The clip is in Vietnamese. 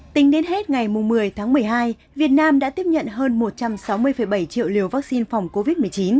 tính đến hết ngày một mươi tháng một mươi hai việt nam đã tiếp nhận hơn một trăm sáu mươi bảy triệu liều vaccine phòng covid một mươi chín